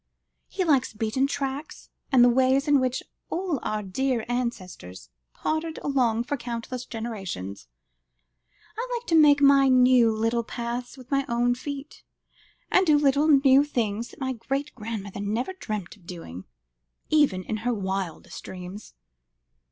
He likes beaten tracks, and the ways in which all our dear ancestors pottered along for countless generations. I like to make nice little new paths with my own feet, and do little new things that my great grandmother never dreamt of doing, even in her wildest dreams."